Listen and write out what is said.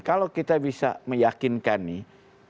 kalau kita bisa meyakinkan nih